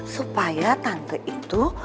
supaya tante itu